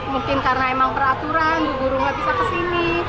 mungkin karena emang peraturan bu guru nggak bisa kesini